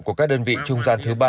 của các đơn vị trung gian thứ ba